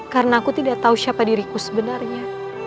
karena aku tidak tahu siapa diriku sebenarnya